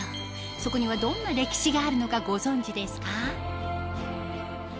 そこにはどんな歴史があるのかご存じですか？